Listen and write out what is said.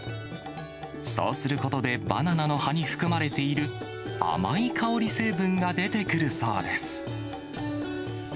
そうすることで、バナナの葉に含まれている甘い香り成分が出てくるそうです。